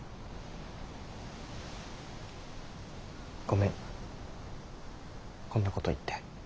ごめんこんなこと言って。